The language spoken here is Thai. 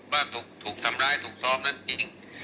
ว่าถูกทำร้ายถูกซ้อมนั้นจริง